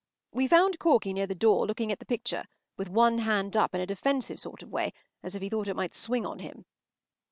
We found Corky near the door, looking at the picture, with one hand up in a defensive sort of way, as if he thought it might swing on him.